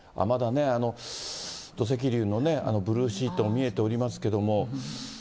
まだね、土石流のブルーシート見えておりますけれども。